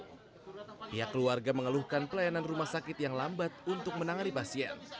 pihak keluarga mengeluhkan pelayanan rumah sakit yang lambat untuk menangani pasien